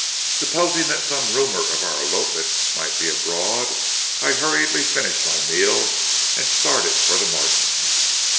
Supposing that some rumor of our elopement might be abroad, I hurriedly finished my meal and started for the Martins'.